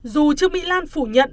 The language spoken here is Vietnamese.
dù trường mỹ lan phủ nhận